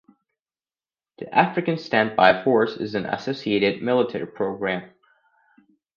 The African Standby Force is an associated military programme.